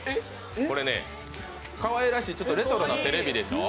これね、かわいらしいレトロなテレビでしょ。